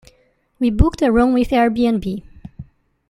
We booked a room with Airbnb.